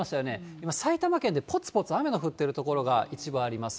今、埼玉県でぽつぽつ雨が降ってる所が一部あります。